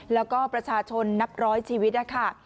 แล้วก็ประชาชนนับร้อยชีวิตนะคะ